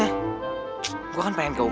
udah aku bilang apa usah khawatir